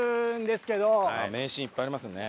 名シーンいっぱいありますよね。